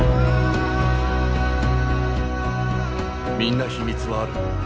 みんな秘密はある。